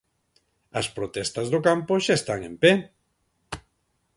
As protestas do campo xa están en pé.